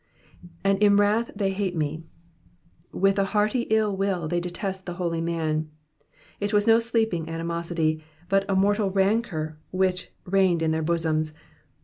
^^And in wrath they hate me,'''* With a hearty ill will they detested the holy man. It was no sleeping animosity, but a moral rancour which reigned in their bosoms.